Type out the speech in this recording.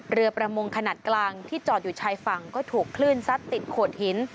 เรือประมงขนาดกลางที่จอดอยู่ชายฝั่งก็ถูกคลื่นซัดติดโขดหิน